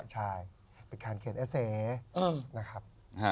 ใช่เป็นการเขียนเอเสนะครับ